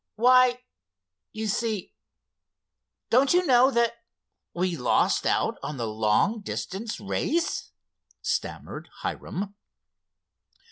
"Why—you see—don't you know that we lost out on the long distance race?" stammered Hiram.